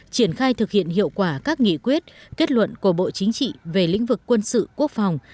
triển khai thực hiện hiệu quả các nghị quyết kết luận của bộ chính trị về lĩnh vực quân sự quốc phòng